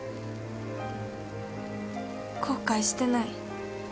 後悔してない？